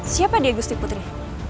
siapa dia gusti putri